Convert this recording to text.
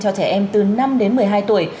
cho trẻ em từ năm đến một mươi hai tuổi